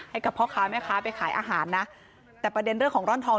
ให้กับพ่อค้าแม่ค้าไปขายอาหารนะแต่ประเด็นเรื่องของร่อนทอง